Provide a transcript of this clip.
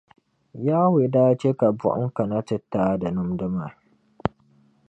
Yawɛ daa chɛ ka buɣim kana ti taai di nimdi maa.